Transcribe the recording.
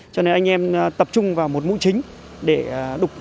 cho nên anh em tập trung vào một mũi chính để đục nhanh chóng phá rỡ tường